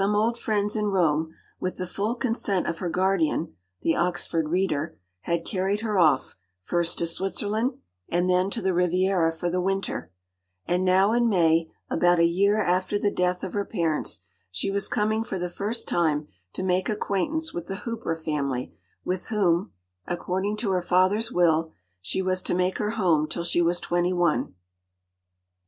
Some old friends in Rome, with the full consent of her guardian, the Oxford Reader, had carried her off, first to Switzerland, and then to the Riviera for the winter, and now in May, about a year after the death of her parents, she was coming for the first time to make acquaintance with the Hooper family, with whom, according to her father’s will, she was to make her home till she was twenty one.